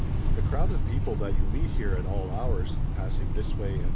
The crowd of people that you meet here at all hours, passing this way and that Chap.